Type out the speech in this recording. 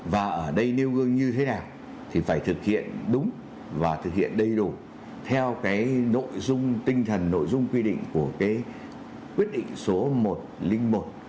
và ở đây nêu gương như thế nào thì phải thực hiện đúng và thực hiện đầy đủ theo tinh thần nội dung quy định của quyết định số một trăm linh một